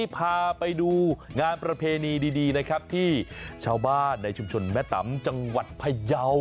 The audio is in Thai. พาไปดูงานประเพณีดีนะครับที่ชาวบ้านในชุมชนแม่ตำจังหวัดพยาว